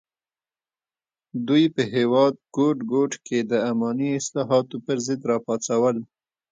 دوی په هېواد ګوټ ګوټ کې د اماني اصلاحاتو پر ضد راپاڅول.